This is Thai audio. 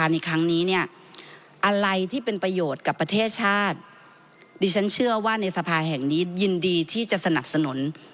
ดิฉันเชื่อว่าในสภาแห่งนี้ยินดีที่จะสนับสนุน